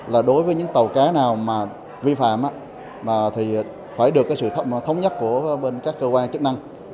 là đối với những tàu cá nào vi phạm thì phải được sự thống nhất của các cơ quan chức năng